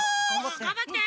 がんばって。